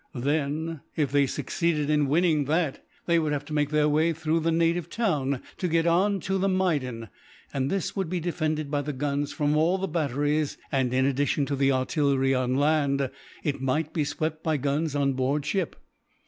Then, if they succeeded in winning that, they would have to make their way through the native town to get on to the maidan; and this would be defended by the guns from all the batteries and, in addition to the artillery on land, it might be swept by guns on board ship.